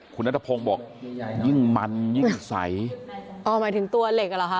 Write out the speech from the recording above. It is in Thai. คุณนัทพงศ์บอกยิ่งมันยิ่งใสอ๋อหมายถึงตัวเหล็กอ่ะเหรอคะ